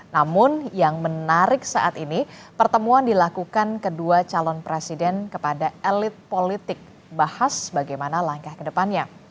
namun yang menarik saat ini pertemuan dilakukan kedua calon presiden kepada elit politik bahas bagaimana langkah ke depannya